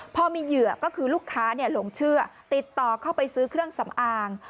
พอมีเหยื่อก็คือลูกค้าหลงเชื่อติดต่อเข้าไปซื้อเครื่องสำอาง